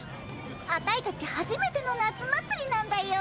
アタイたちはじめての夏まつりなんだよ。